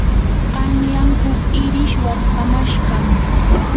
qanyan huk irish watkamashqam.